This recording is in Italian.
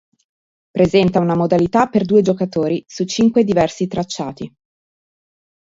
Presenta una modalità per due giocatori su cinque diversi tracciati.